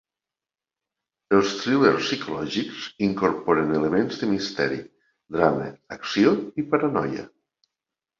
Els thrillers psicològics incorporen elements de misteri, drama, acció, i paranoia.